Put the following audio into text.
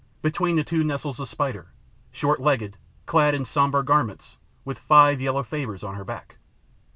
Between the two nestles the Spider, short legged, clad in sombre garments, with five yellow favours on her back.